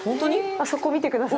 あそこ見てください。